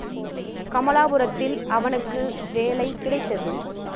கமலாபுரத்தில் அவனுக்கு வேலை கிடைத்தது.